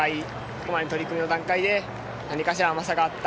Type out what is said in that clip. ここまでの取り組みの段階で何かしら甘さがあった。